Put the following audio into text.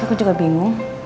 aku juga bingung